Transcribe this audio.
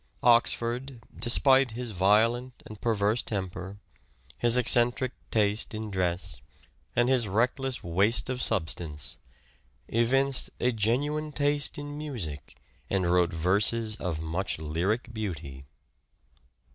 Oxford, despite his violent and perverse temper, Selection his eccentric taste in dress, and his reckless waste of justified substance, evinced a genuine taste in music and wrote verses of much lyric beauty.